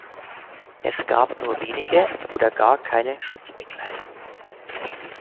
Es gab nur wenige oder gar keine Schutzbekleidung.